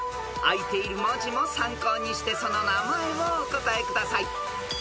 ［あいている文字も参考にしてその名前をお答えください］